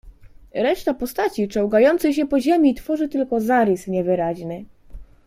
"Reszta postaci, czołgającej się po ziemi, tworzy tylko zarys niewyraźny."